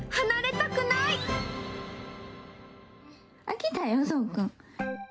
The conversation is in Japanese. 来たよ、そうくん。